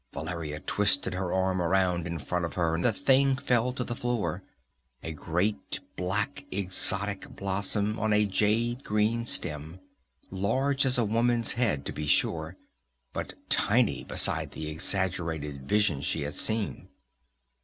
Valeria twisted her arm around in front of her, and the thing fell to the floor a great black exotic blossom on a jade green stem, large as a woman's head, to be sure, but tiny beside the exaggerated vision she had seen.